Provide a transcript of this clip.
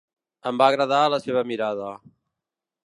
Em va agradar la seva mirada.